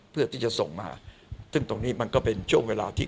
เพื่อที่จะส่งมาซึ่งตรงนี้มันก็เป็นช่วงเวลาที่